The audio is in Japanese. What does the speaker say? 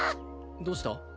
どうした？